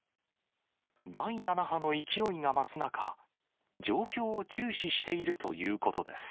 第７波の勢いが増す中、状況を注視しているということです。